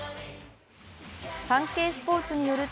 「サンケイスポーツ」によると